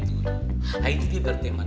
nah itu dia berteman